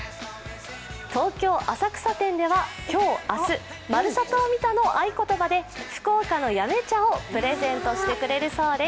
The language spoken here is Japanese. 東京・浅草店では今日、明日「まるサタ」を見たの合い言葉で福岡の八女茶をプレゼントしてくれるそうです。